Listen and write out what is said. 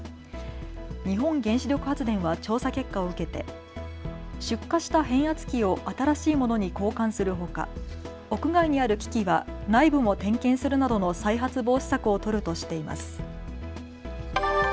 日本原子力発電は調査結果を受けて出火した変圧器を新しいものに交換するほか屋外にある機器は内部も点検するなどの再発防止策を取るとしています。